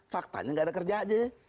faktanya nggak ada kerja aja ya